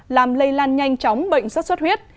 làm lây lan nhanh chóng bệnh xuất xuất huyết